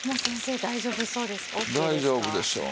大丈夫でしょう。